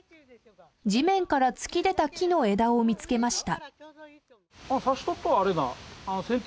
地面から突き出た木の枝を見つけました。